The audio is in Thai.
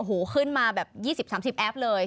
โอ้โหขึ้นมาแบบ๒๐๓๐แอปเลย